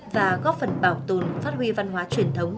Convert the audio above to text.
và góp phần bảo tồn phát huy văn hóa truyền thống